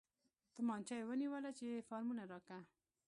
تمانچه يې ونيوله چې فارموله راکه.